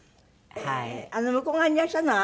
向こう側にいらっしゃるのはあなたなのね？